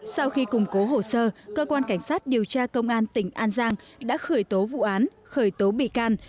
sau khi củng cố hồ sơ cơ quan cảnh sát điều tra công an tỉnh an giang đã khởi tố vụ án khởi tố bị can